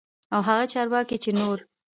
او هغه چارواکي چې نور